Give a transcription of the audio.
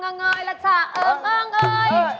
ช่างเงยระชะเอิ่มเอิ่งเอ้ย